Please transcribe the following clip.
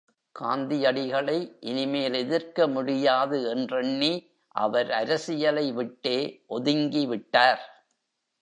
காந்தியடிகளை இனிமேல் எதிர்க்க முடியாது என்றெண்ணி அவர் அரசியலை விட்டே ஒதுங்கிவிட்டார்.